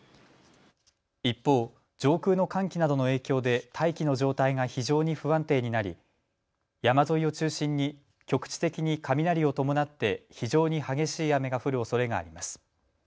一方、上空の寒気などの影響で大気の状態が非常に不安定になり山沿いを中心に局地的に雷を伴って非常に激しい雨が降るおそれがあります。